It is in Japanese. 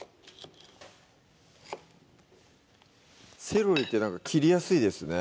セロリって切りやすいですね